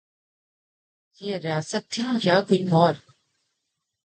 یہ ریاست تھی یا کوئی اور؟